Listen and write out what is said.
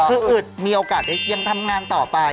คืออึดมีโอกาสได้ยังทำงานต่อไป